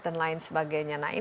dan lain sebagainya